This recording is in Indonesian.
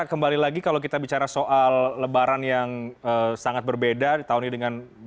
kembali lagi kalau kita bicara soal lebaran yang sangat berbeda tahun ini dengan